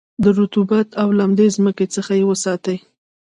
د رطوبت او لمدې مځکې څخه یې وساتی.